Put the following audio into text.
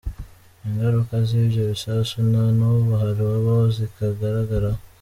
Ingaruka z’ibyo bisasu na n’ubu hari abo zikigaragaraho.